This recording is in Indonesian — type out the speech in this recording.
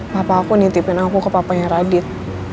papa aku nitipin aku ke papanya radit